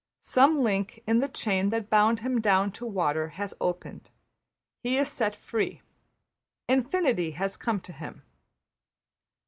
Some link in the chain that bound him down to water has opened; he is set free; Infinity has come to him.